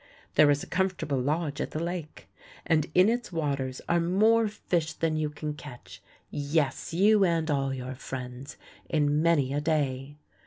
There is a comfortable lodge at the Lake, and in its waters are more fish than you can catch yes, you and all your friends in many a day.